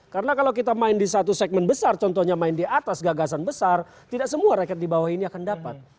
karena kalau kita main di satu segmen besar contohnya main di atas gagasan besar tidak semua reket di bawah ini akan dapat